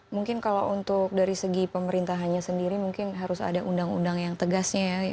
mungkin kalau untuk dari segi pemerintahannya sendiri mungkin harus ada undang undang yang tegasnya ya